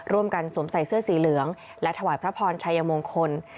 สวมใส่เสื้อสีเหลืองและถวายพระพรชัยมงคล